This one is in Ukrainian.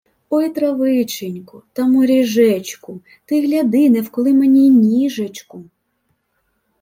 «Ой травиченько, та моріжечку, ти гляди не вколи мені й ніжечку...»